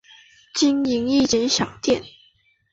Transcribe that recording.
经营一间小店